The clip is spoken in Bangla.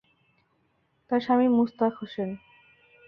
তার স্বামী মুশতাক হোসেন।